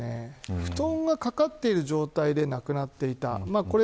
布団がかかっている状態で亡くなっていた。